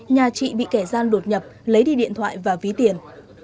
nhà chị bị kẻ gian đột nhập lấy đi điện thoại và ví tiền